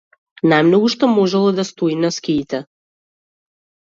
Најмногу што можел е да стои на скиите.